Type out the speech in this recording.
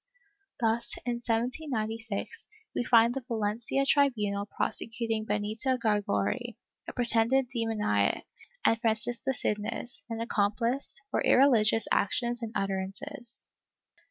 Thus, in 1796, we find the Valencia tribunal prosecuting Benita Gargori, a pretended demoniac, and Francisca Signes, an accomphce, for irrehgious actions and utterances.